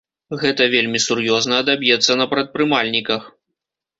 Гэта вельмі сур'ёзна адаб'ецца на прадпрымальніках.